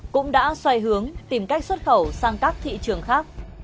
cũng đã xoay hướng tìm cách xuất khẩu sang các thị trường khác